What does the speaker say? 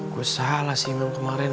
gue salah sih emang kemarin